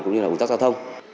cũng như ủng tác giao thông